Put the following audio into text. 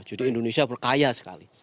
jadi indonesia berkaya sekali